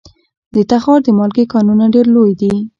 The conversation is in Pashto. د تخار د مالګې کانونه ډیر لوی دي